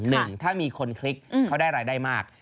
หนึ่งถ้ามีคนคลิกเขาได้รายได้มาก